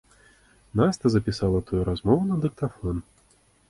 Наста запісала тую размову на дыктафон.